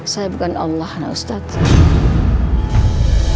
saya bukan allah anak ustadz